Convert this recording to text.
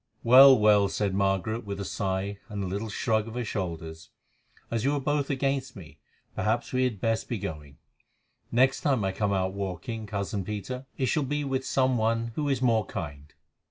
"Well, well," said Margaret with a sigh and a little shrug of her shoulders, "as you are both against me, perhaps we had best be going. Next time I come out walking, cousin Peter, it shall be with some one who is more kind."